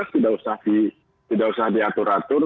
tidak usah diatur atur